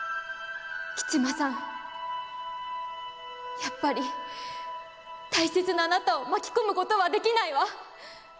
やっぱり大切なあなたを巻き込むことはできないわ。